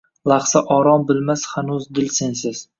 Lahza orom bilmas hanuz dil sensiz.